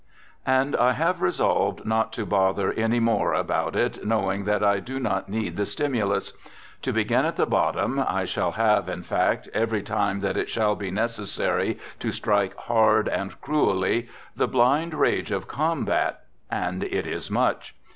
And I have resolved not to bother any more about it, knowing that I do not need the stimulus. To begin at the bottom, I shall have, in fact, every time that it shall be necessary to strike hard and cruelly, the blind rage of combat, and it is much.